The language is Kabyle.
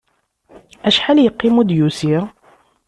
Acḥal yeqqim ur d-yusi?